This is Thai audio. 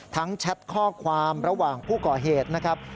แชทข้อความระหว่างผู้ก่อเหตุนะครับ